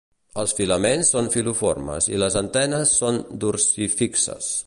Els filaments són filiformes i les anteres són dorsifixes.